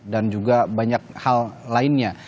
dan juga banyak hal lainnya